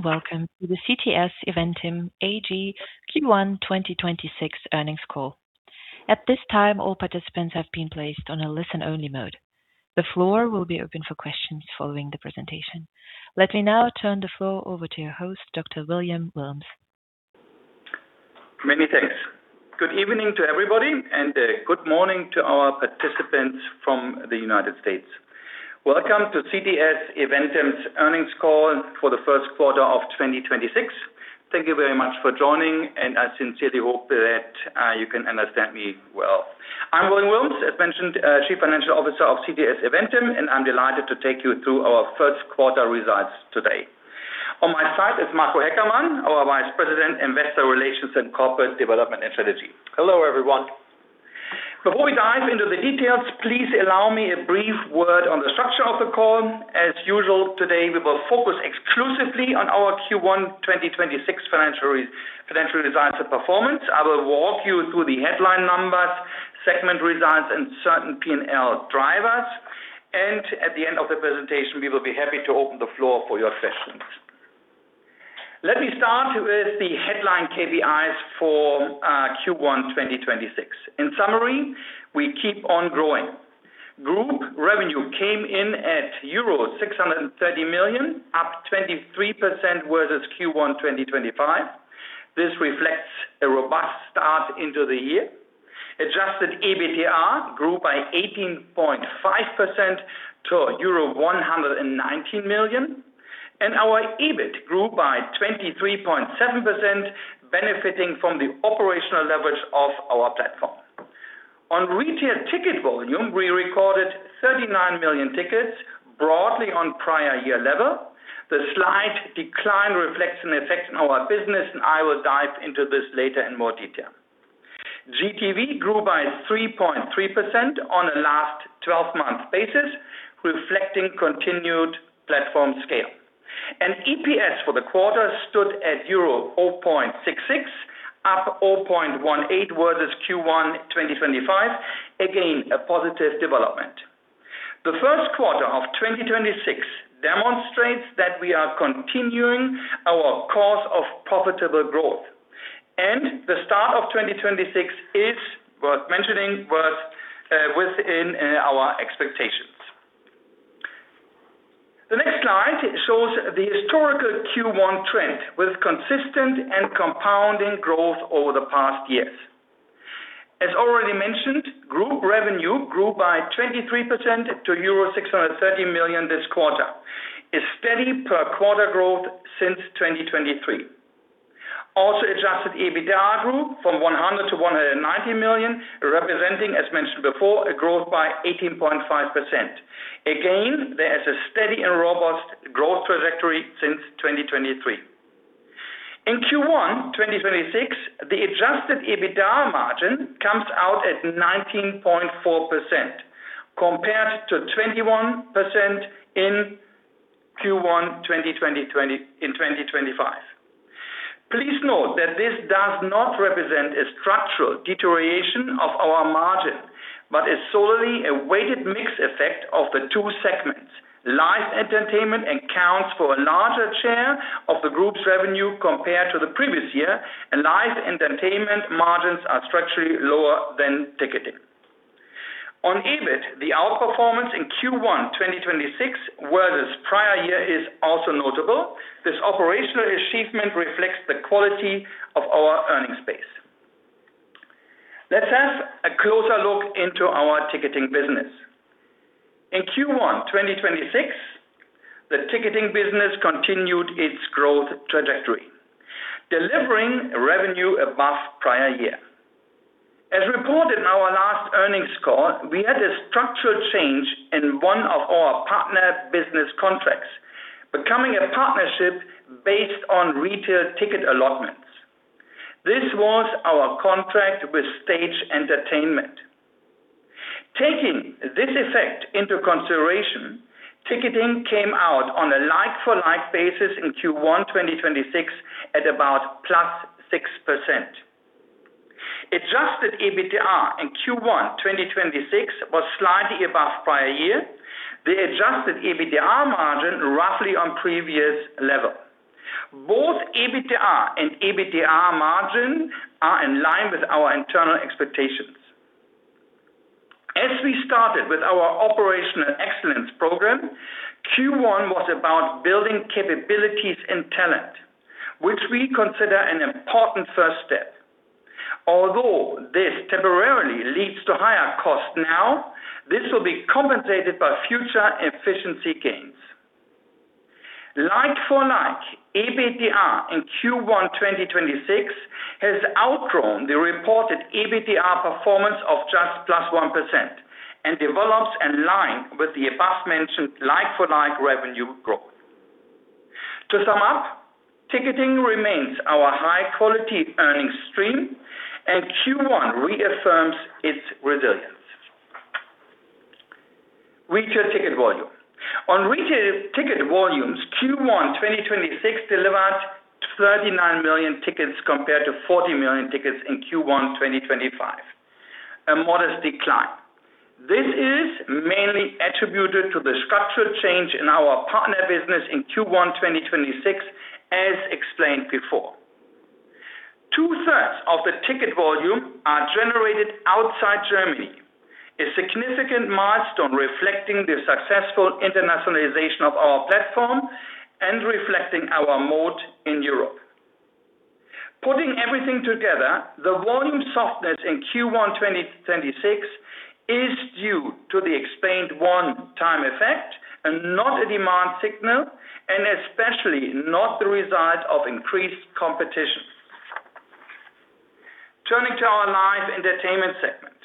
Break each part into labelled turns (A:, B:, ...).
A: Welcome to the CTS EVENTIM AG Q1 2026 earnings call. At this time, all participants have been placed on a listen-only mode. The floor will be open for questions following the presentation. Let me now turn the floor over to your host, Dr. William Willms.
B: Many thanks. Good evening to everybody, and good morning to our participants from the United States. Welcome to CTS EVENTIM's earnings call for the first quarter of 2026. Thank you very much for joining. I sincerely hope that you can understand me well. I'm William Willms, as mentioned, Chief Financial Officer of CTS EVENTIM, and I'm delighted to take you through our first quarter results today. On my side is Marco Haeckermann, our Vice President, Investor Relations and Corporate Development and Strategy.
C: Hello, everyone.
B: Before we dive into the details, please allow me a brief word on the structure of the call. As usual, today, we will focus exclusively on our Q1 2026 financial results and performance. I will walk you through the headline numbers, segment results, and certain P&L drivers. At the end of the presentation, we will be happy to open the floor for your questions. Let me start with the headline KPIs for Q1 2026. In summary, we keep on growing. Group revenue came in at euro 630 million, up 23% versus Q1 2025. This reflects a robust start into the year. Adjusted EBITDA grew by 18.5% to euro 119 million, and our EBIT grew by 23.7%, benefiting from the operational leverage of our platform. On retail ticket volume, we recorded 39 million tickets, broadly on prior year level. The slight decline reflects an effect on our business, I will dive into this later in more detail. GTV grew by 3.3% on a last 12-month basis, reflecting continued platform scale. EPS for the quarter stood at euro 0.66, up 0.18 versus Q1 2025. Again, a positive development. The first quarter of 2026 demonstrates that we are continuing our course of profitable growth. The start of 2026 was within our expectations. The next slide shows the historical Q1 trend with consistent and compounding growth over the past years. As already mentioned, group revenue grew by 23% to euro 630 million this quarter. A steady per quarter growth since 2023. Adjusted EBITDA grew from 100 million to 119 million, representing, as mentioned before, a growth by 18.5%. There is a steady and robust growth trajectory since 2023. In Q1 2026, the adjusted EBITDA margin comes out at 19.4% compared to 21% in Q1 2020 in 2025. Please note that this does not represent a structural deterioration of our margin, but is solely a weighted mix effect of the two segments. Live Entertainment accounts for a larger share of the group's revenue compared to the previous year, and Live Entertainment margins are structurally lower than Ticketing. On EBIT, the outperformance in Q1 2026 versus prior year is also notable. This operational achievement reflects the quality of our earnings base. Let's have a closer look into our Ticketing business. In Q1 2026, the Ticketing business continued its growth trajectory, delivering revenue above prior year. As reported in our last earnings call, we had a structural change in one of our partner business contracts, becoming a partnership based on retail ticket allotments. This was our contract with Stage Entertainment. Taking this effect into consideration, Ticketing came out on a like-for-like basis in Q1 2026 at about +6%. Adjusted EBITDA in Q1 2026 was slightly above prior year, the adjusted EBITDA margin roughly on previous level. Both EBITDA and EBITDA margin are in line with our internal expectations. As we started with our Operational Excellence program, Q1 was about building capabilities and talent, which we consider an important first step. Although this temporarily leads to higher cost now, this will be compensated by future efficiency gains. Like-for-like EBITDA in Q1 2026 has outgrown the reported EBITDA performance of just +1% and develops in line with the above-mentioned like-for-like revenue growth. To sum up, Ticketing remains our high-quality earnings stream, and Q1 reaffirms its resilience. Retail ticket volume. On retail ticket volumes, Q1 2026 delivered 39 million tickets compared to 40 million tickets in Q1 2025. A modest decline. This is mainly attributed to the structural change in our partner business in Q1 2026, as explained before. Two-thirds of the ticket volume are generated outside Germany, a significant milestone reflecting the successful internationalization of our platform and reflecting our moat in Europe. Putting everything together, the volume softness in Q1 2026 is due to the explained one-time effect and not a demand signal, and especially not the result of increased competition. Turning to our Live Entertainment segment.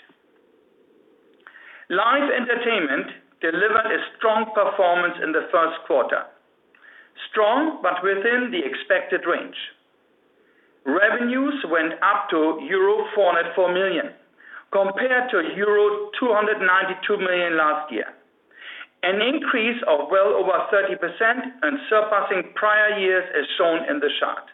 B: Live Entertainment delivered a strong performance in the first quarter. Strong, within the expected range. Revenues went up to euro 404 million compared to euro 292 million last year. An increase of well over 30% and surpassing prior years as shown in the chart.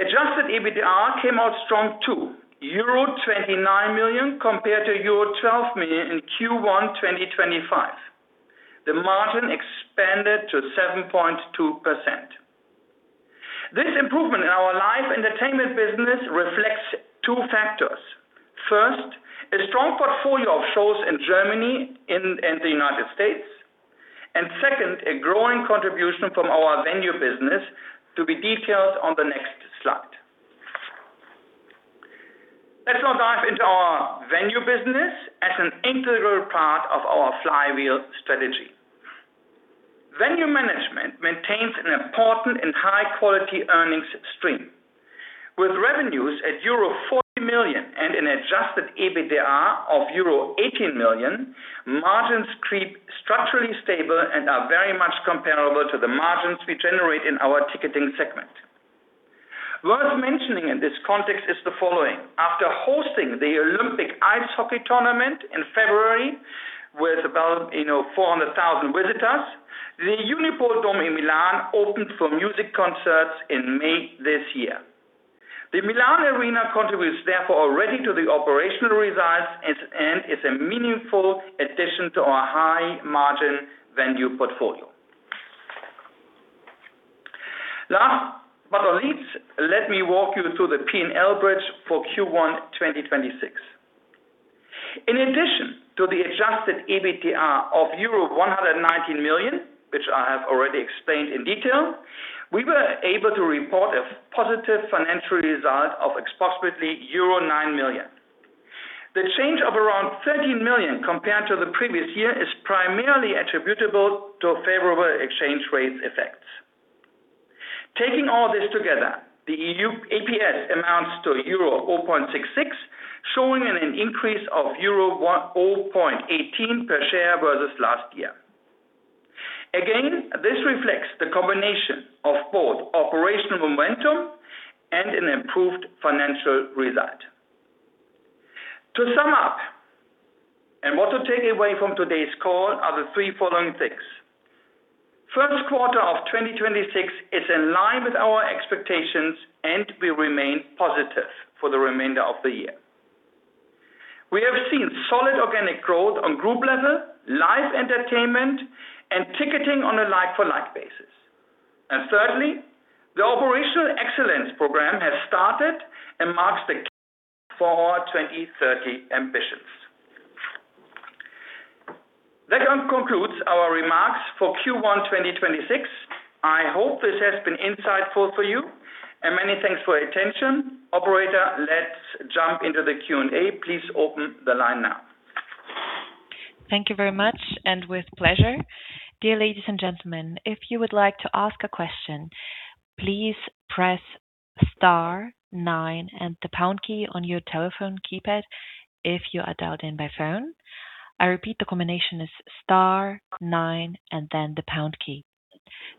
B: Adjusted EBITDA came out strong too. Euro 29 million compared to euro 12 million in Q1 2025. The margin expanded to 7.2%. This improvement in our Live Entertainment business reflects two factors. First, a strong portfolio of shows in Germany and the United States. Second, a growing contribution from our venue business to be detailed on the next slide. Let's now dive into our venue business as an integral part of our flywheel strategy. Venue management maintains an important and high-quality earnings stream. With revenues at euro 40 million and an adjusted EBITDA of euro 18 million, margins keep structurally stable and are very much comparable to the margins we generate in our Ticketing segment. Worth mentioning in this context is the following, after hosting the Olympic Ice Hockey Tournament in February with about 400,000 visitors, the Unipol Dome in Milan opened for music concerts in May this year. The Milan Arena contributes therefore already to the operational results and is a meaningful addition to our high margin venue portfolio. Last but not least, let me walk you through the P&L bridge for Q1 2026. In addition to the adjusted EBITDA of euro 119 million, which I have already explained in detail, we were able to report a positive financial result of approximately euro 9 million. The change of around 13 million compared to the previous year is primarily attributable to favorable exchange rates effects. Taking all this together, the EU EPS amounts to euro 0.66, showing an increase of euro 0.18 per share versus last year. Again, this reflects the combination of both operational momentum and an improved financial result. To sum up, what to take away from today's call are the three following things. First quarter of 2026 is in line with our expectations, and we remain positive for the remainder of the year. We have seen solid organic growth on group level, Live Entertainment, and Ticketing on a like-for-like basis. Thirdly, the Operational Excellence program has started and marks the for our 2030 ambitions. That concludes our remarks for Q1 2026. I hope this has been insightful for you, and many thanks for your attention. Operator, let's jump into the Q&A. Please open the line now.
A: Thank you very much, with pleasure. Dear ladies and gentlemen, if you would like to ask a question, please press star nine and the pound key on your telephone keypad if you are dialed in by phone. I repeat, the combination is star nine and the pound key.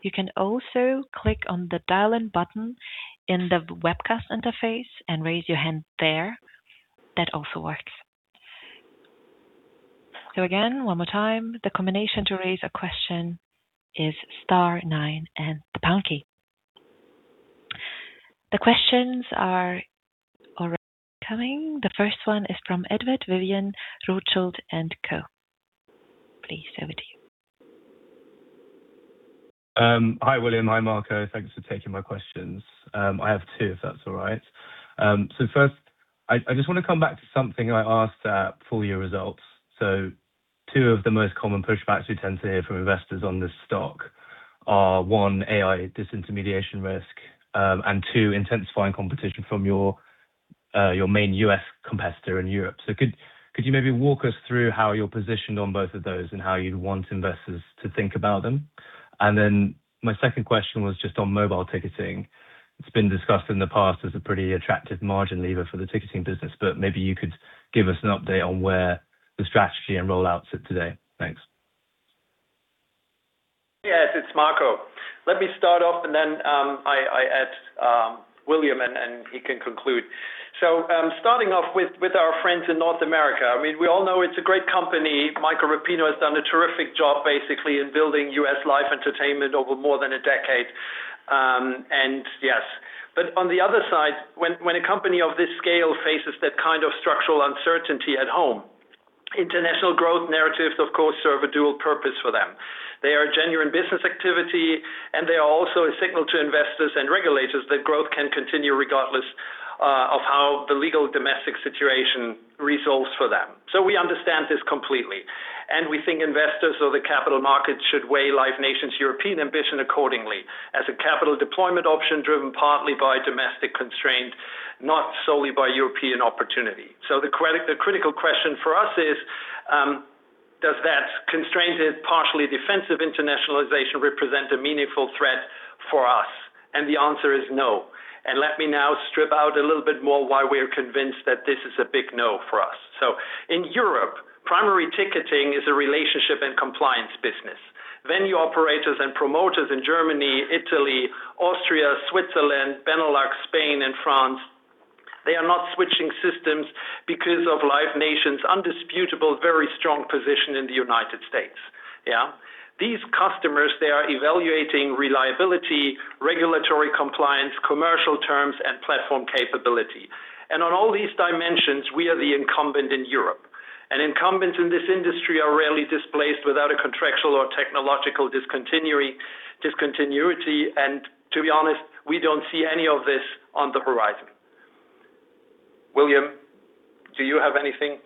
A: You can also click on the dial-in button in the webcast interface and raise your hand there. That also works. Again, one more time. The combination to raise a question is star nine and the pound key. The questions are already coming. The first one is from Edward Vyvyan, Rothschild & Co. Please, over to you.
D: Hi, William. Hi, Marco. Thanks for taking my questions. I have two if that's all right. First, I just want to come back to something I asked at full-year results. Two of the most common pushbacks we tend to hear from investors on this stock are, one, AI disintermediation risk, and two, intensifying competition from your main U.S. competitor in Europe. Could you maybe walk us through how you're positioned on both of those and how you'd want investors to think about them? My second question was just on mobile ticketing. It's been discussed in the past as a pretty attractive margin lever for the ticketing business, but maybe you could give us an update on where the strategy and rollout sit today. Thanks.
C: Yes, it's Marco. Let me start off and then I ask William, and he can conclude. Starting off with our friends in North America. We all know it's a great company. Michael Rapino has done a terrific job basically in building U.S. Live Entertainment over more than a decade. Yes. On the other side, when a company of this scale faces that kind of structural uncertainty at home, international growth narratives, of course, serve a dual purpose for them. They are a genuine business activity, and they are also a signal to investors and regulators that growth can continue regardless of how the legal domestic situation resolves for them. We understand this completely, and we think investors or the capital markets should weigh Live Nation's European ambition accordingly as a capital deployment option driven partly by domestic constraint, not solely by European opportunity. The critical question for us is, does that constraint as partially defensive internationalization represent a meaningful threat for us? The answer is no. Let me now strip out a little bit more why we are convinced that this is a big no for us. In Europe, Primary Ticketing is a relationship and compliance business. Venue operators and promoters in Germany, Italy, Austria, Switzerland, Benelux, Spain, and France, they are not switching systems because of Live Nation's indisputable, very strong position in the U.S. These customers, they are evaluating reliability, regulatory compliance, commercial terms, and platform capability. On all these dimensions, we are the incumbent in Europe. Incumbents in this industry are rarely displaced without a contractual or technological discontinuity, and to be honest, we don't see any of this on the horizon. William, do you have anything?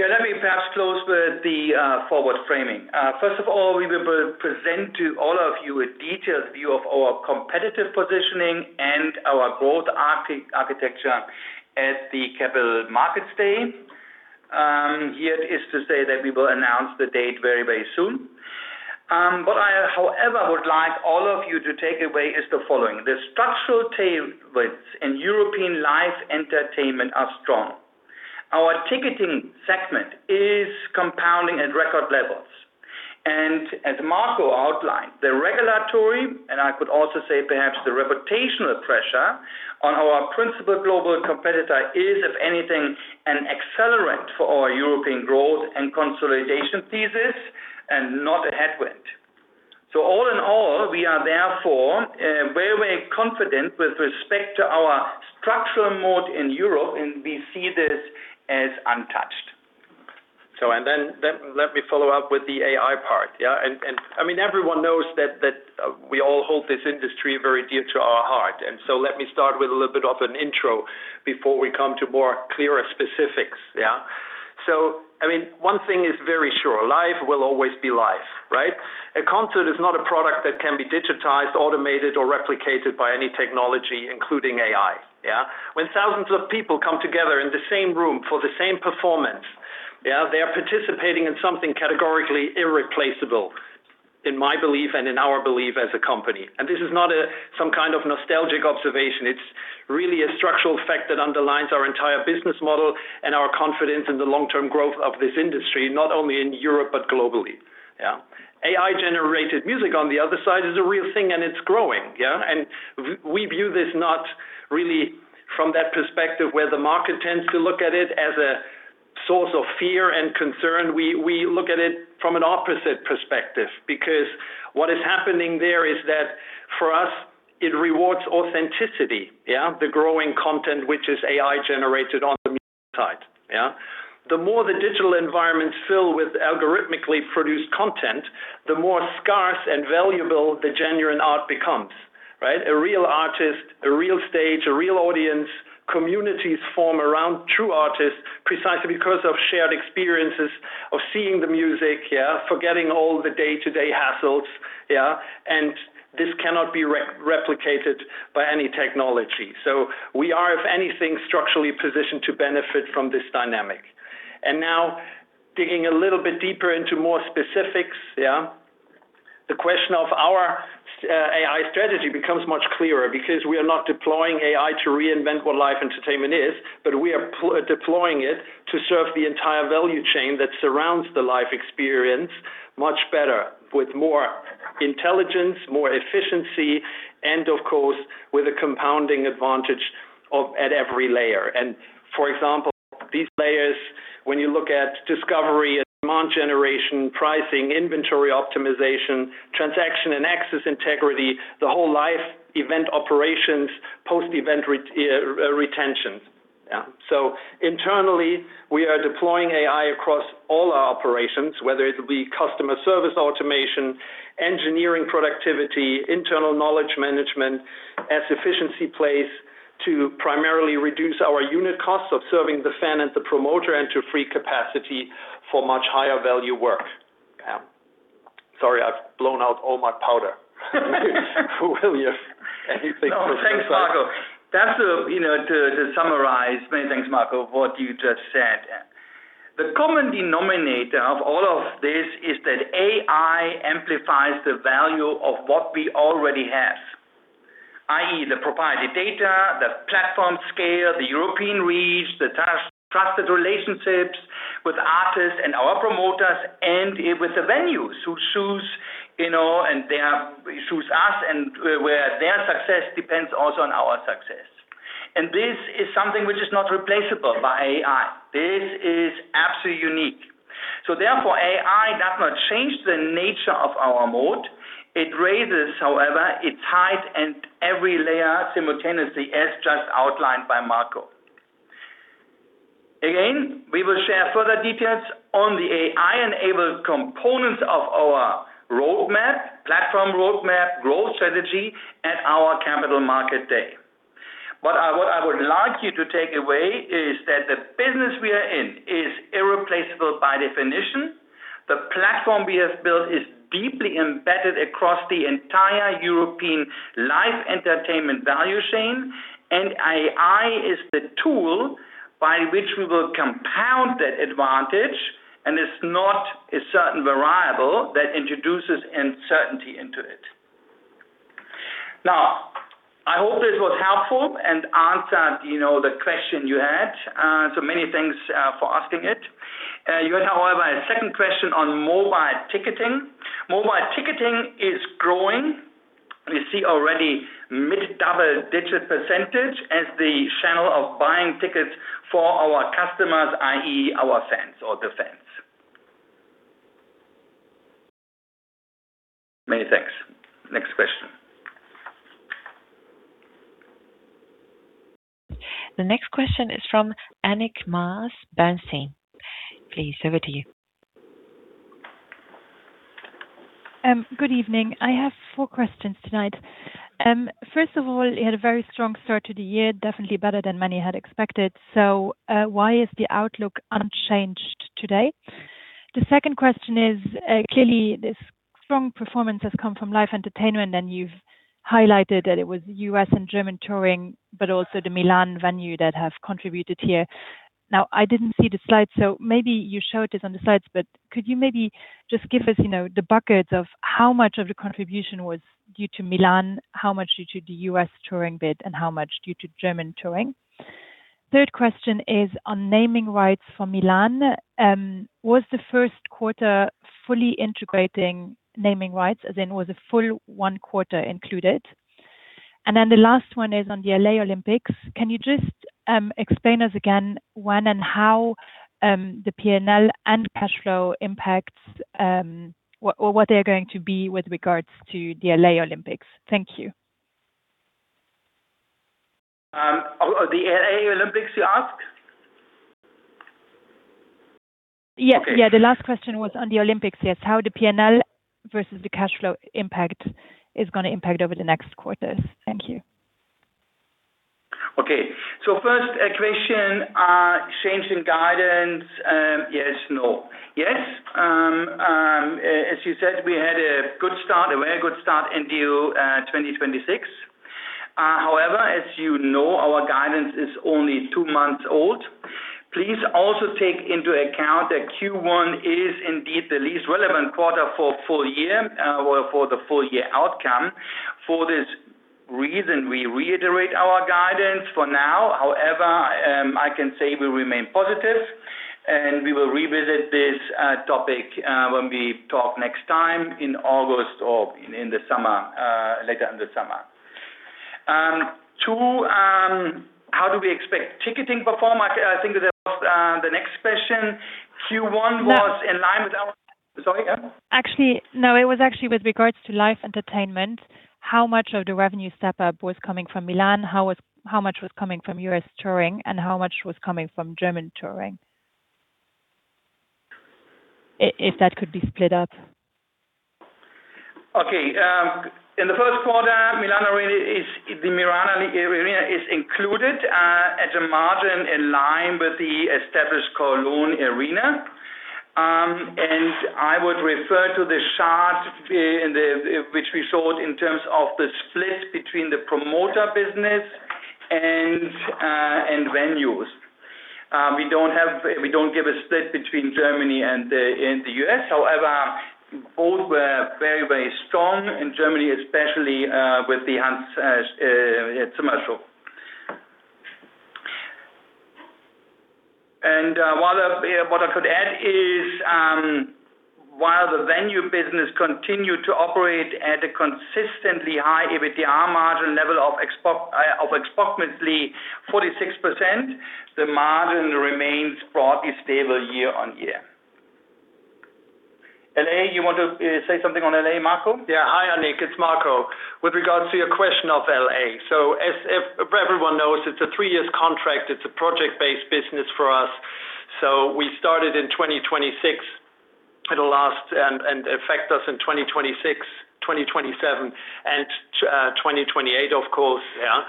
B: Yeah, let me perhaps close with the forward framing. First of all, we will present to all of you a detailed view of our competitive positioning and our growth architecture at the Capital Markets Day. Here is to say that we will announce the date very soon. What I, however, would like all of you to take away is the following. The structural tailwinds in European Live Entertainment are strong. Our Ticketing segment is compounding at record levels. As Marco outlined, the regulatory, and I could also say perhaps the reputational pressure on our principal global competitor is, if anything, an accelerant for our European growth and consolidation thesis and not a headwind. All in all, we are therefore very confident with respect to our structural moat in Europe, and we see this as untouched.
C: Let me follow up with the AI part. Everyone knows that we all hold this industry very dear to our heart. Let me start with a little bit of an intro before we come to more clearer specifics. One thing is very sure, live will always be live, right? A concert is not a product that can be digitized, automated, or replicated by any technology, including AI. When thousands of people come together in the same room for the same performance, they are participating in something categorically irreplaceable, in my belief and in our belief as a company. This is not some kind of nostalgic observation. It's really a structural fact that underlines our entire business model and our confidence in the long-term growth of this industry, not only in Europe but globally. AI-generated music, on the other side, is a real thing, and it's growing. Yeah. We view this not really from that perspective where the market tends to look at it as a source of fear and concern. We look at it from an opposite perspective because what is happening there is that for us, it rewards authenticity. Yeah. The growing content which is AI-generated on the side. Yeah. The more the digital environments fill with algorithmically produced content, the more scarce and valuable the genuine art becomes, right? A real artist, a real stage, a real audience. Communities form around true artists precisely because of shared experiences of seeing the music, yeah, forgetting all the day-to-day hassles. Yeah. This cannot be replicated by any technology. We are, if anything, structurally positioned to benefit from this dynamic. Now digging a little bit deeper into more specifics, the question of our AI strategy becomes much clearer because we are not deploying AI to reinvent what Live Entertainment is, but we are deploying it to serve the entire value chain that surrounds the live experience much better, with more intelligence, more efficiency, and of course, with a compounding advantage at every layer. For example, these layers, when you look at discovery and demand generation, pricing, inventory optimization, transaction and access integrity, the whole live event operations, post-event retention. Internally, we are deploying AI across all our operations, whether it be customer service automation, engineering productivity, internal knowledge management as efficiency plays to primarily reduce our unit costs of serving the fan and the promoter and to free capacity for much higher value work. Sorry, I've blown out all my powder. William, anything?
B: No, thanks, Marco. To summarize, many thanks, Marco, what you just said. The common denominator of all of this is that AI amplifies the value of what we already have, i.e., the proprietary data, the platform scale, the European reach, the trusted relationships with artists and our promoters, and with the venues who choose us and where their success depends also on our success, and this is something which is not replaceable by AI. This is absolutely unique. Therefore, AI does not change the nature of our moat. It raises, however, its height and every layer simultaneously as just outlined by Marco. Again, we will share further details on the AI-enabled components of our platform roadmap growth strategy at our Capital Markets Day. What I would like you to take away is that the business we are in is irreplaceable by definition. The platform we have built is deeply embedded across the entire European Live Entertainment value chain. AI is the tool by which we will compound that advantage and is not a certain variable that introduces uncertainty into it. I hope this was helpful and answered the question you had. Many thanks for asking it. You had, however, a second question on mobile ticketing. Mobile ticketing is growing. We see already mid-double-digit percentage as the channel of buying tickets for our customers, i.e. our fans or the fans. Many thanks. Next question.
A: The next question is from Annick Maas, Bernstein. Please, over to you.
E: Good evening. I have four questions tonight. First of all, you had a very strong start to the year, definitely better than many had expected. Why is the outlook unchanged today? The second question is, clearly this strong performance has come from Live Entertainment, and you've highlighted that it was U.S. and German touring, but also the Milan venue that have contributed here. Now, I didn't see the slides, so maybe you showed this on the slides, but could you maybe just give us the buckets of how much of the contribution was due to Milan, how much due to the U.S. touring bit, and how much due to German touring? Third question is on naming rights for Milan. Was the first quarter fully integrating naming rights, as in was a full one quarter included? The last one is on the L.A. Olympics. Can you just explain us again when and how the P&L and cash flow impacts or what they're going to be with regards to the L.A. Olympics? Thank you.
B: The L.A. Olympics, you asked?
E: Yeah. The last question was on the Olympics. Yes. How the P&L versus the cash flow is going to impact over the next quarters. Thank you.
B: Okay. First question, change in guidance. Yes, no. Yes, as you said, we had a very good start into 2026. However, as you know, our guidance is only two months old. Please also take into account that Q1 is indeed the least relevant quarter for the full year outcome. For this reason, we reiterate our guidance. For now, however, I can say we remain positive, and we will revisit this topic when we talk next time in August or later in the summer. Two, how do we expect Ticketing perform? I think that was the next question. Q1 was in line with. Sorry, Annick.
E: Actually, no, it was actually with regards to Live Entertainment. How much of the revenue step-up was coming from Milan, how much was coming from U.S. touring, and how much was coming from German touring? If that could be split up.
B: Okay. In the first quarter, the Milan arena is included at a margin in line with the established Cologne arena. I would refer to the chart which we showed in terms of the split between the promoter business and venues. We don't give a split between Germany and the U.S. However, both were very strong in Germany, especially with the Hans Zimmer show. What I could add is, while the venue business continued to operate at a consistently high EBITDA margin level of approximately 46%, the margin remains broadly stable year-on-year. L.A., you want to say something on L.A., Marco?
C: Hi, Annick. It's Marco. With regards to your question of L.A. As everyone knows, it's a three-year contract. It's a project-based business for us. We started in 2026. It'll last and affect us in 2026, 2027, and 2028, of course.
B: Yeah.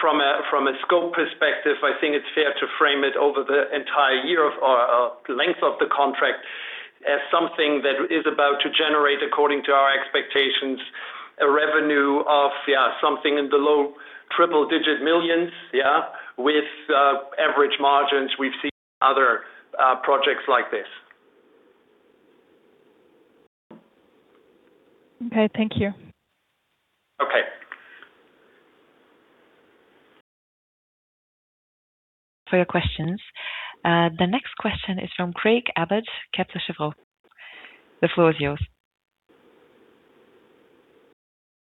C: From a scope perspective, I think it's fair to frame it over the entire year of our length of the contract as something that is about to generate, according to our expectations, a revenue of something in the low triple-digit millions. With average margins we've seen in other projects like this.
E: Okay. Thank you.
B: Okay.
A: For your questions. The next question is from Craig Abbott, Kepler Cheuvreux. The floor is yours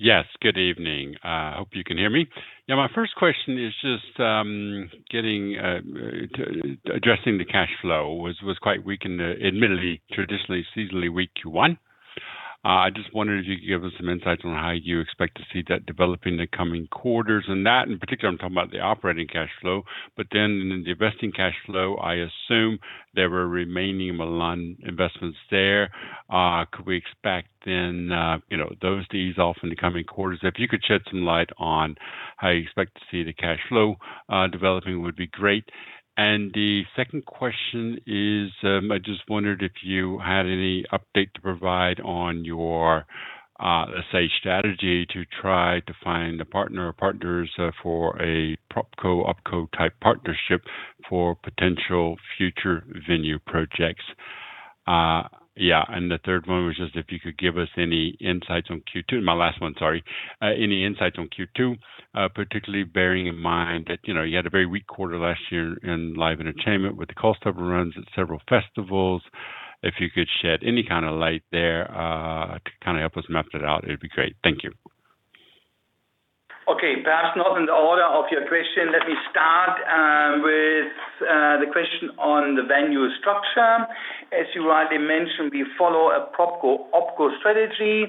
F: Yes. Good evening. I hope you can hear me. My first question is just addressing the cash flow was quite weak in admittedly traditionally seasonally weak Q1. I just wondered if you could give us some insights on how you expect to see that developing in the coming quarters, and that in particular I'm talking about the operating cash flow, but then in the investing cash flow, I assume there were remaining Milan investments there. Could we expect then those to ease off in the coming quarters? If you could shed some light on how you expect to see the cash flow developing would be great. The second question is, I just wondered if you had any update to provide on your, let's say, strategy to try to find a partner or partners for a PropCo/OpCo-type partnership for potential future venue projects. The third one was just if you could give us any insights on Q2. My last one, sorry. Any insights on Q2, particularly bearing in mind that you had a very weak quarter last year in Live Entertainment with the cost overruns at several festivals? If you could shed any kind of light there to help us map that out, it'd be great. Thank you.
B: Perhaps not in the order of your question. Let me start with the question on the venue structure. As you rightly mentioned, we follow a PropCo/OpCo strategy.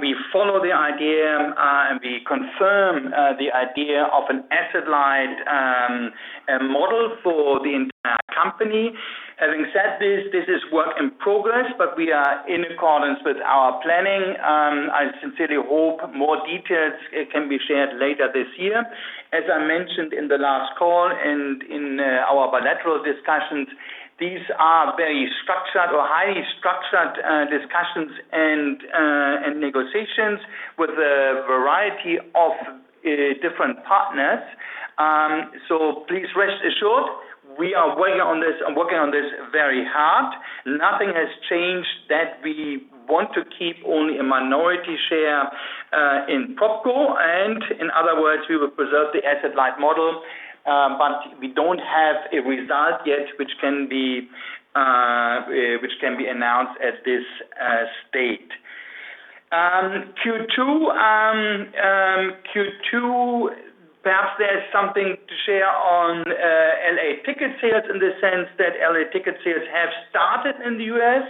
B: We follow the idea and we confirm the idea of an asset-light model for the entire company. Having said this is work in progress, we are in accordance with our planning. I sincerely hope more details can be shared later this year. As I mentioned in the last call and in our bilateral discussions, these are very structured or highly structured discussions and negotiations with a variety of different partners. Please rest assured we are working on this very hard. Nothing has changed that we want to keep only a minority share in PropCo, in other words, we will preserve the asset-light model. We don't have a result yet which can be announced at this state. Q2, perhaps there's something to share on L.A. ticket sales in the sense that L.A. ticket sales have started in the U.S.,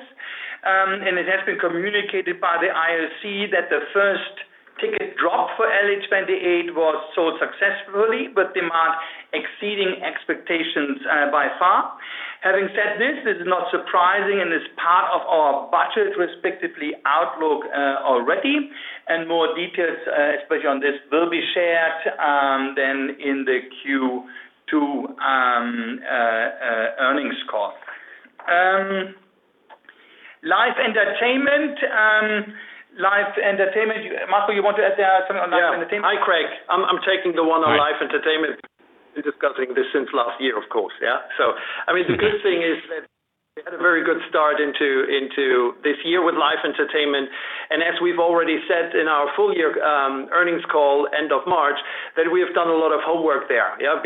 B: and it has been communicated by the IOC that the first ticket drop for LA28 was sold successfully, with demand exceeding expectations by far. Having said this is not surprising, and it's part of our budget respectively outlook already, and more details especially on this will be shared then in the Q2 earnings call. Live Entertainment. Marco, you want to add something on Live Entertainment?
C: Yeah. Hi, Craig. I'm taking the one on Live Entertainment. We're discussing this since last year, of course. The good thing is that we had a very good start into this year with Live Entertainment. As we've already said in our full year earnings call end of March, that we have done a lot of homework there. As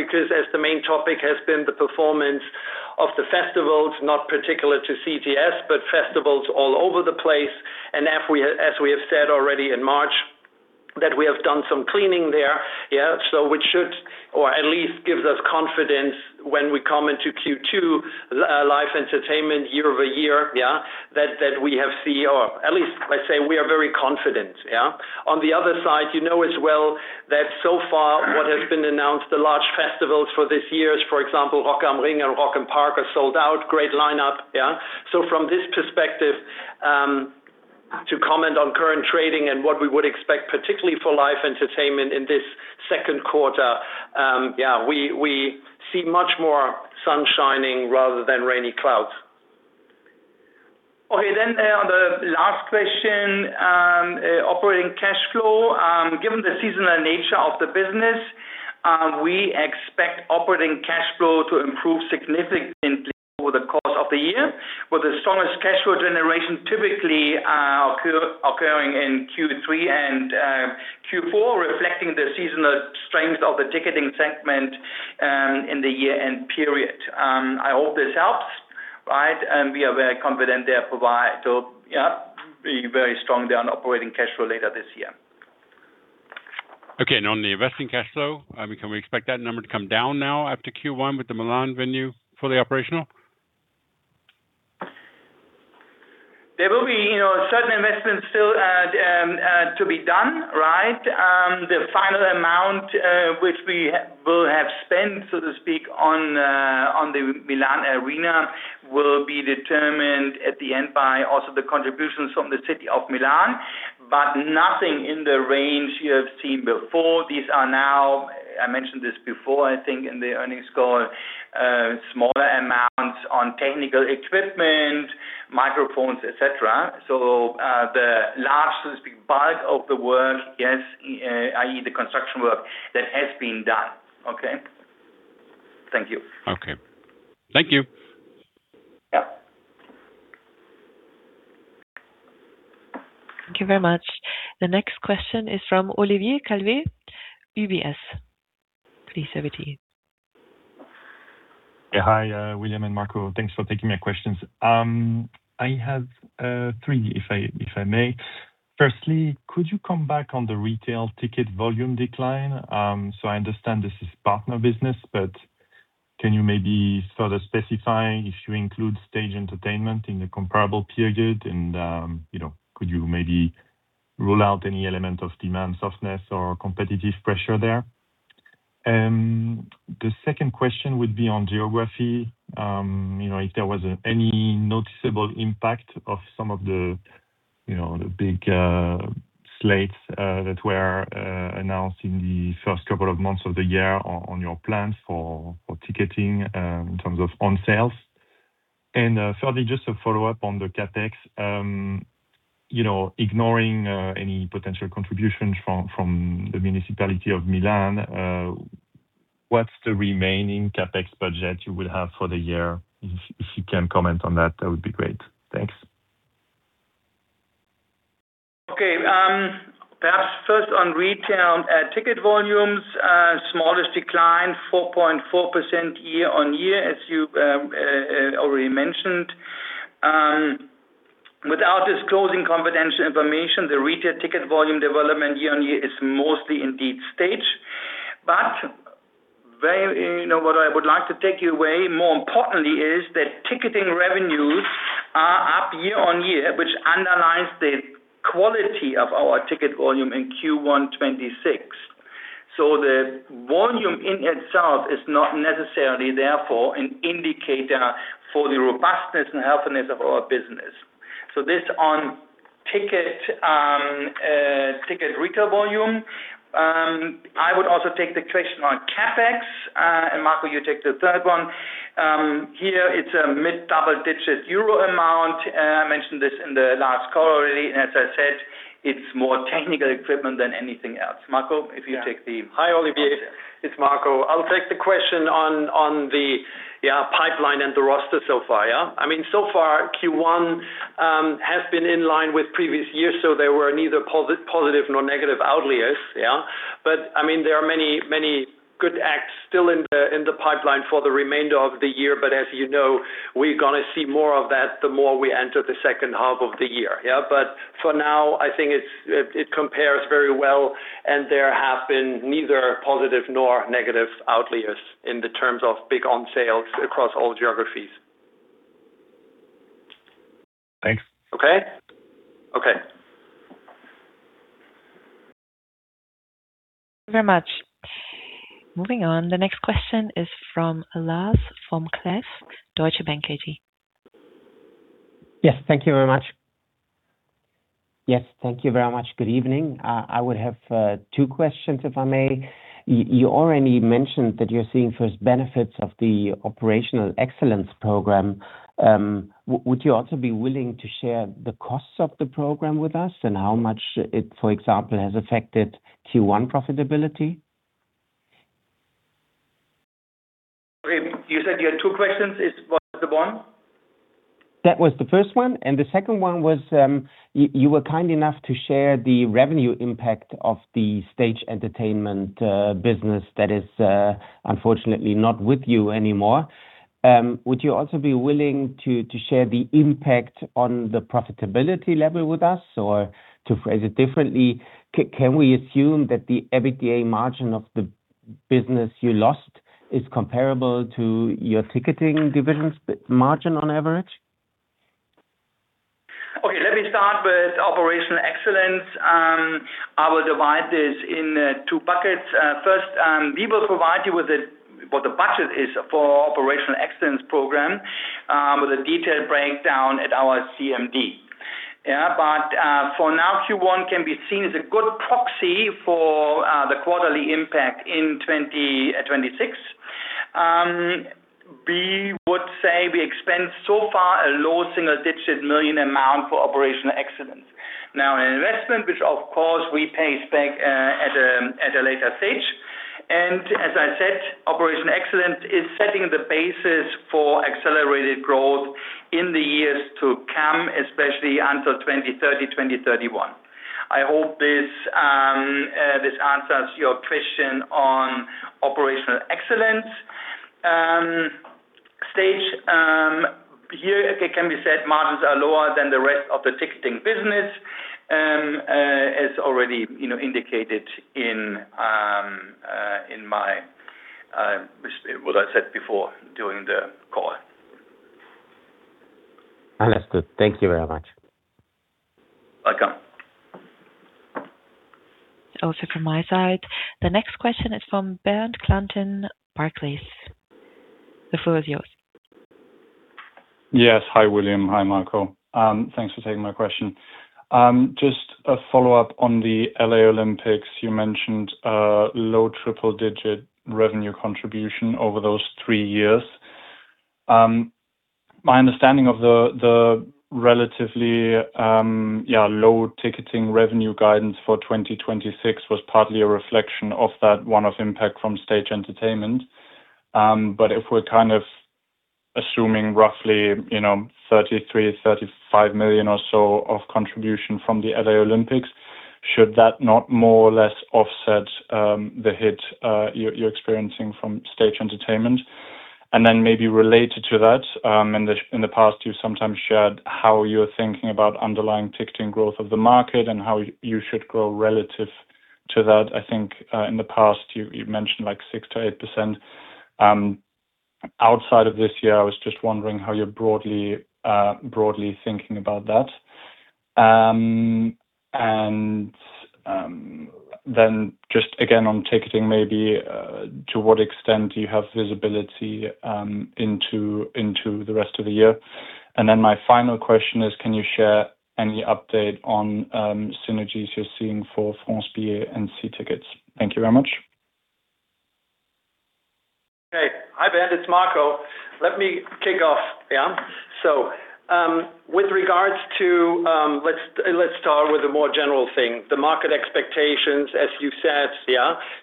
C: the main topic has been the performance of the festivals, not particular to CTS, but festivals all over the place. As we have said already in March, that we have done some cleaning there. Which should, or at least gives us confidence when we come into Q2, Live Entertainment year-over-year, that we have seen or at least let's say we are very confident. On the other side, you know as well that so far what has been announced, the large festivals for this year, for example, Rock am Ring and Rock im Park are sold out. Great lineup. From this perspective, to comment on current trading and what we would expect, particularly for Live Entertainment in this second quarter, we see much more sun shining rather than rainy clouds.
B: Okay. On the last question, operating cash flow. Given the seasonal nature of the business, we expect operating cash flow to improve significantly over the course of the year, with the strongest cash flow generation typically occurring in Q3 and Q4, reflecting the seasonal strength of the Ticketing segment in the year-end period. I hope this helps. We are very confident there, so be very strong there on operating cash flow later this year.
F: Okay. On the investing cash flow, can we expect that number to come down now after Q1 with the Milan venue fully operational?
B: There will be certain investments still to be done. The final amount which we will have spent, so to speak, on the Milan arena will be determined at the end by also the contributions from the city of Milan, but nothing in the range you have seen before. These are now, I mentioned this before, I think in the earnings call, smaller amounts on technical equipment, microphones, et cetera. The largest bulk of the work, i.e., the construction work, that has been done. Thank you.
F: Okay. Thank you.
B: Yep.
A: Thank you very much. The next question is from Olivier Calvet, UBS. Please go ahead.
G: Hi, William and Marco. Thanks for taking my questions. I have three if I may. Firstly, could you come back on the retail ticket volume decline? I understand this is partner business, but can you maybe further specify if you include Stage Entertainment in the comparable period and could you maybe rule out any element of demand softness or competitive pressure there? The second question would be on geography. If there was any noticeable impact of some of the big slates that were announced in the first couple of months of the year on your plans for Ticketing in terms of onsales. Thirdly, just a follow-up on the CapEx. Ignoring any potential contributions from the municipality of Milan, what's the remaining CapEx budget you will have for the year? If you can comment on that would be great. Thanks.
B: Okay. Perhaps first on retail ticket volumes, smallest decline, 4.4% year-over-year, as you already mentioned. Without disclosing confidential information, the retail ticket volume development year-over-year is mostly indeed stage. What I would like to take you away more importantly is that Ticketing revenues are up year-over-year, which underlies the quality of our ticket volume in Q1 2026. The volume in itself is not necessarily therefore an indicator for the robustness and healthiness of our business. This on ticket retail volume. I would also take the question on CapEx, and Marco, you take the third one. Here it's a mid double-digit euro amount. I mentioned this in the last call already, and as I said, it's more technical equipment than anything else. Marco, if you take the.
C: Yeah. Hi, Olivier. It's Marco. I'll take the question on the pipeline and the roster so far. So far Q1 has been in line with previous years, so there were neither positive nor negative outliers. There are many good acts still in the pipeline for the remainder of the year, but as you know, we're going to see more of that the more we enter the second half of the year. For now, I think it compares very well and there have been neither positive nor negative outliers in the terms of big on sales across all geographies.
G: Thanks.
B: Okay? Okay.
A: Thank you very much. Moving on. The next question is from Lars Vom-Cleff, Deutsche Bank AG.
H: Yes. Thank you very much. Good evening. I would have two questions, if I may. You already mentioned that you're seeing first benefits of the Operational Excellence Program. Would you also be willing to share the costs of the program with us and how much it, for example, has affected Q1 profitability?
B: Okay. You said you had two questions. That was the one?
H: That was the first one. The second one was, you were kind enough to share the revenue impact of the Stage Entertainment business that is unfortunately not with you anymore. Would you also be willing to share the impact on the profitability level with us? Or to phrase it differently, can we assume that the EBITDA margin of the business you lost is comparable to your Ticketing divisions margin on average?
B: Okay. Let me start with Operational Excellence. I will divide this in two buckets. First, we will provide you with what the budget is for Operational Excellence program with a detailed breakdown at our CMD. For now, Q1 can be seen as a good proxy for the quarterly impact in 2026. We would say we expend so far a low single-digit million amount for Operational Excellence. Now an investment, which of course we pay back at a later stage. As I said, Operational Excellence is setting the basis for accelerated growth in the years to come, especially until 2030-2031. I hope this answers your question on Operational Excellence. Stage. Here it can be said margins are lower than the rest of the Ticketing business as already indicated in what I said before during the call.
H: Understood. Thank you very much.
B: Welcome.
A: Also from my side. The next question is from Bernd Klanten, Barclays. The floor is yours.
I: Yes. Hi, William. Hi, Marco. Thanks for taking my question. Just a follow-up on the L.A. Olympics. You mentioned low triple-digit revenue contribution over those three years. My understanding of the relatively low Ticketing revenue guidance for 2026 was partly a reflection of that one-off impact from Stage Entertainment. If we're assuming roughly 33 million-35 million or so of contribution from the L.A. Olympics, should that not more or less offset the hit you're experiencing from Stage Entertainment? Maybe related to that, in the past, you've sometimes shared how you're thinking about underlying Ticketing growth of the market and how you should grow relative to that. I think, in the past, you've mentioned 6%-8%. Outside of this year, I was just wondering how you're broadly thinking about that. Just again, on ticketing maybe, to what extent do you have visibility into the rest of the year? My final question is can you share any update on synergies you're seeing for France Billet and See Tickets? Thank you very much.
C: Hey. Hi, Bernd. It's Marco. Let me kick off. Yeah. Let's start with the more general thing, the market expectations, as you said,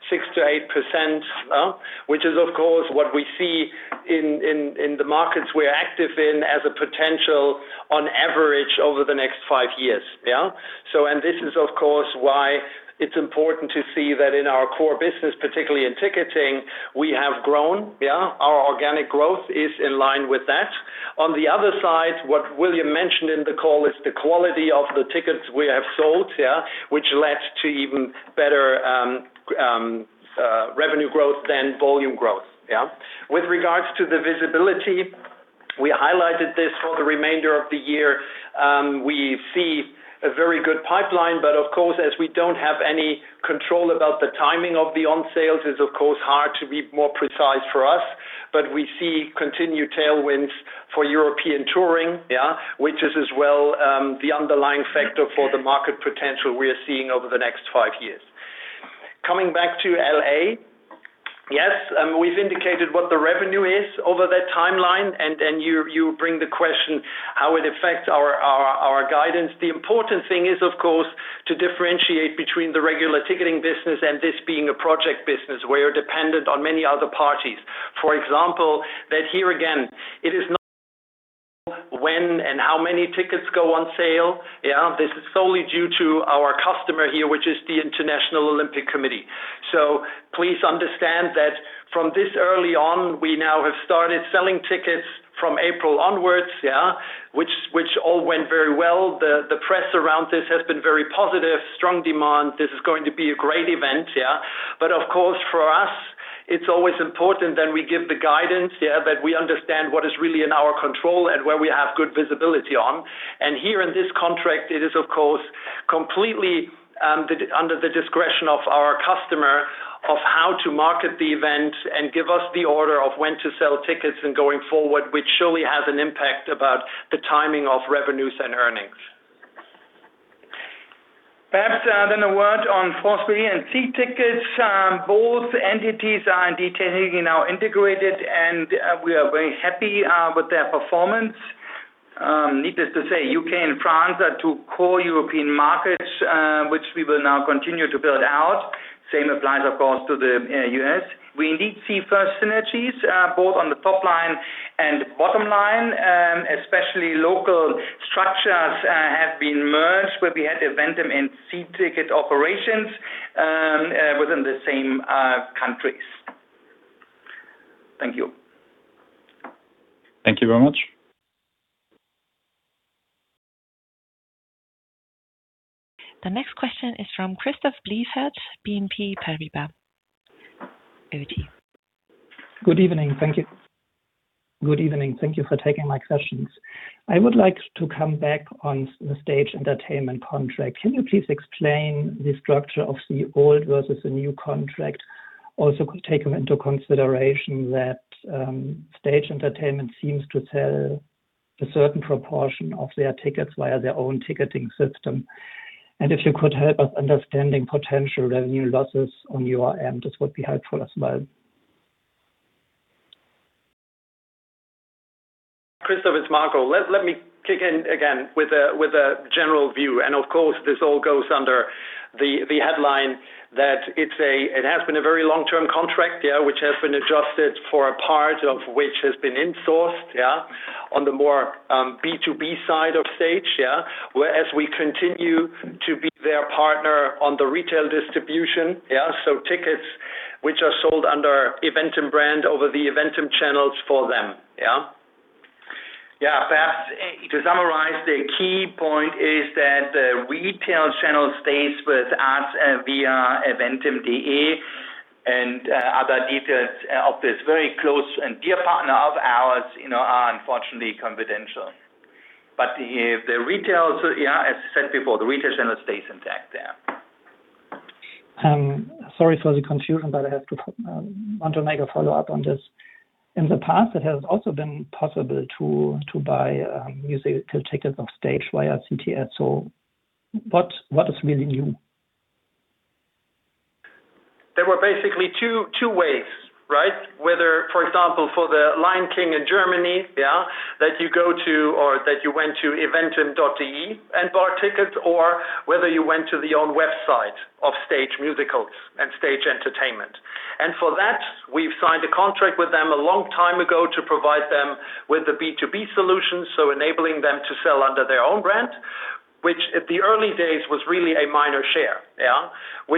C: 6%-8%, which is, of course, what we see in the markets we're active in as a potential on average over the next five years. Yeah. This is, of course, why it's important to see that in our core business, particularly in Ticketing, we have grown. Yeah. Our organic growth is in line with that. On the other side, what William mentioned in the call is the quality of the tickets we have sold, which led to even better revenue growth than volume growth. Yeah. With regards to the visibility, we highlighted this for the remainder of the year. We see a very good pipeline, but of course, as we don't have any control about the timing of the on sales, it's of course hard to be more precise for us, but we see continued tailwinds for European touring, yeah, which is as well, the underlying factor for the market potential we are seeing over the next five years. Coming back to L.A., yes, we've indicated what the revenue is over that timeline, and then you bring the question how it affects our guidance. The important thing is, of course, to differentiate between the regular Ticketing business and this being a project business. We are dependent on many other parties. For example, that here again, it is not when and how many tickets go on sale. Yeah. This is solely due to our customer here, which is the International Olympic Committee. Please understand that from this early on, we now have started selling tickets from April onwards, yeah. Which all went very well. The press around this has been very positive, strong demand. This is going to be a great event, yeah. Of course, for us, it's always important that we give the guidance, yeah, that we understand what is really in our control and where we have good visibility on. Here in this contract, it is of course, completely under the discretion of our customer of how to market the event and give us the order of when to sell tickets and going forward, which surely has an impact about the timing of revenues and earnings.
B: Perhaps, a word on France Billet and See Tickets. Both entities are [detailing] and now integrated, and we are very happy with their performance. Needless to say, U.K. and France are two core European markets, which we will now continue to build out. Same applies, of course, to the U.S. We indeed see first synergies, both on the top line and bottom line, especially local structures have been merged where we had EVENTIM and See Tickets operations within the same countries. Thank you.
I: Thank you very much.
A: The next question is from Christoph Blieffert, BNP Paribas. Over to you.
J: Good evening. Thank you for taking my questions. I would like to come back on the Stage Entertainment contract. Can you please explain the structure of the old versus the new contract? Also take into consideration that Stage Entertainment seems to sell a certain proportion of their tickets via their own ticketing system. If you could help us understanding potential revenue losses on your end, this would be helpful as well.
C: Christoph, it's Marco. Let me kick in again with a general view. Of course, this all goes under the headline that it has been a very long-term contract, yeah, which has been adjusted for a part of which has been insourced, yeah, on the more B2B side of stage, yeah. Whereas we continue to be their partner on the retail distribution. Yeah. Tickets which are sold under EVENTIM brand over the EVENTIM channels for them, yeah. Yeah. Perhaps to summarize, the key point is that the retail channel stays with us via eventim.de and other details of this very close and dear partner of ours are unfortunately confidential. As I said before, the retail center stays intact, yeah.
J: Sorry for the confusion, but I want to make a follow-up on this. In the past, it has also been possible to buy musical tickets of Stage via CTS. What is really new?
C: There were basically two ways, right? Whether, for example, for The Lion King in Germany, yeah, that you go to, or that you went to eventim.de and bought tickets, or whether you went to the own website of Stage Musicals and Stage Entertainment. For that, we've signed a contract with them a long time ago to provide them with the B2B solution, so enabling them to sell under their own brand, which at the early days was really a minor share.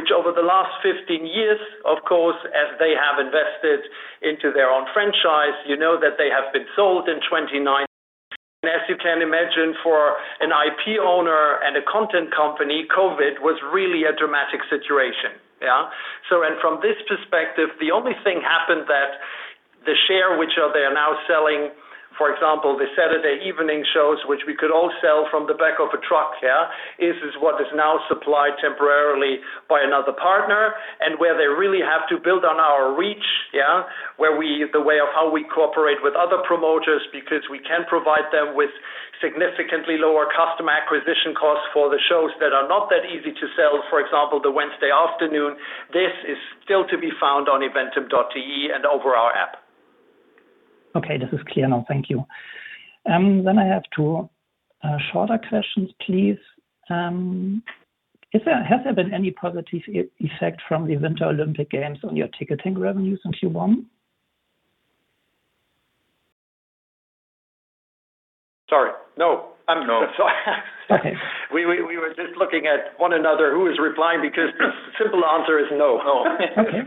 C: Over the last 15 years, of course, as they have invested into their own franchise, you know that they have been sold in 2019. As you can imagine, for an IP owner and a content company, COVID was really a dramatic situation. From this perspective, the only thing happened that the share which they are now selling, for example, the Saturday evening shows, which we could all sell from the back of a truck, is what is now supplied temporarily by another partner, and where they really have to build on our reach, the way of how we cooperate with other promoters because we can provide them with significantly lower customer acquisition costs for the shows that are not that easy to sell. For example, the Wednesday afternoon, this is still to be found on eventim.de and over our app.
J: Okay, this is clear now. Thank you. I have two shorter questions, please. Has there been any positive effect from the Winter Olympic Games on your Ticketing revenue since Q1?
C: Sorry. No.
B: No.
C: Sorry. We were just looking at one another, who is replying because the simple answer is no.
B: No.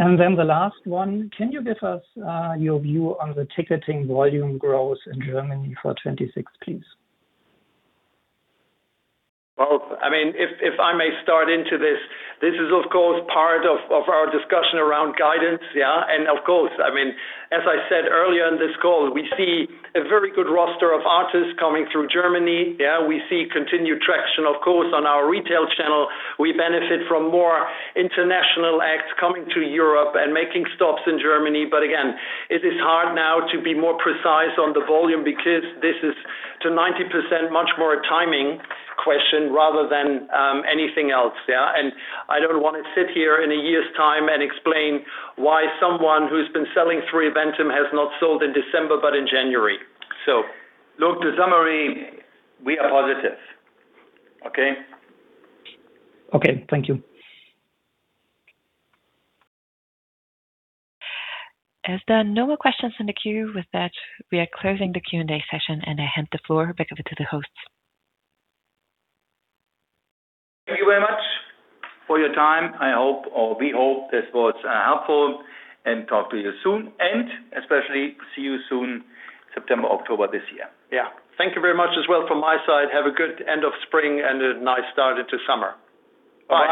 J: Okay. Then the last one. Can you give us your view on the ticketing volume growth in Germany for 2026, please?
C: Well, if I may start into this is, of course, part of our discussion around guidance. Of course, as I said earlier in this call, we see a very good roster of artists coming through Germany. We see continued traction, of course, on our retail channel. We benefit from more international acts coming to Europe and making stops in Germany. Again, it is hard now to be more precise on the volume because this is to 90% much more a timing question rather than anything else. I don't want to sit here in a year's time and explain why someone who's been selling through EVENTIM has not sold in December but in January. Look, the summary, we are positive. Okay?
J: Okay. Thank you.
A: As there are no more questions in the queue, with that, we are closing the Q&A session, and I hand the floor back over to the hosts.
B: Thank you very much for your time. I hope, or we hope this was helpful, and talk to you soon. Especially see you soon, September, October this year.
C: Yeah. Thank you very much as well from my side. Have a good end of spring and a nice start into summer. Bye.